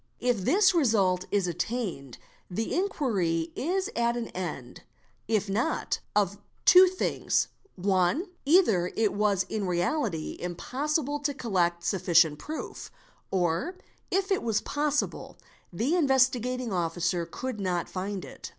If this result is attained, the inquiry is at an end. ~ If not, of two things, one; either it was in reality impossible to collect sufficient proof, or, if it was possible, the Investigating Officer could not — q find it.